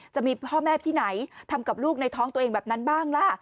จะมีพ่อแม่ที่ไหนทำกับลูกในท้องตัวเองแบบนั้นบ้างล่ะ